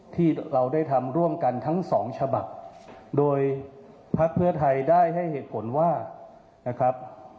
ที่เราได้ทำร่วมกันทั้งสองฉบับโดยภักดิ์เพื่อไทยได้ให้เหตุผลว่านะครับ